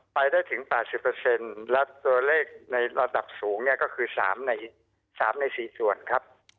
ไปได้ถึง๘๐และตัวเลขในระดับสูงเนี่ยก็คือ๓ใน๔ส่วนครับ